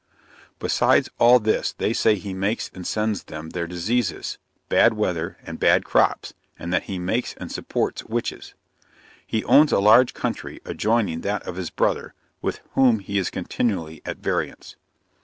Besides all this they say he makes and sends them their diseases, bad weather and bad crops, and that he makes and supports witches. He owns a large country adjoining that of his brother, with whom he is continually at variance.